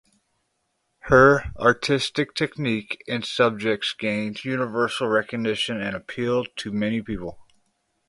Her artistic technique and subjects gained universal recognition and appealed to many people.